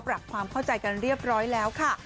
ปรับความเข้าใจกันเรียบร้อยแล้วค่ะ